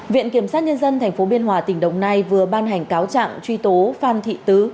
viện kiểm sát nhân dân tp biên hòa tỉnh đồng nai vừa ban hành cáo trạng truy tố phan thị tứ